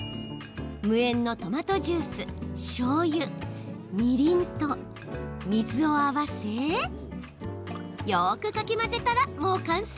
無塩のトマトジュース、しょうゆみりんと水を合わせよくかき混ぜたらもう完成。